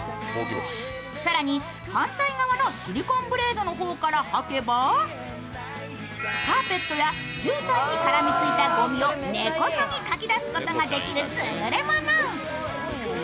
更に、反対側のシリコンブレードの方から掃けばカーペットやじゅうたんに絡みついたごみを根こそぎかき出すことができる優れもの！